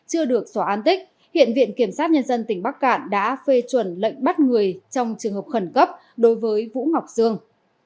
họ án tích hiện viện kiểm sát nhân dân tỉnh bắc cạn đã phê chuẩn lệnh bắt người trong trường hợp khẩn cấp đối với vũ ngọc dương